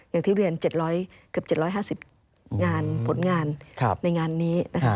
อย่างที่เรียนเกือบ๗๕๐งานผลงานในงานนี้นะคะ